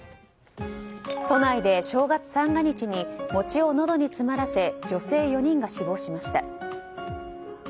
都内で正月三が日に餅をのどに詰まらせ女性４人が死亡しました。